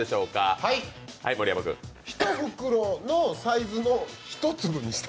１袋のサイズの１粒にした。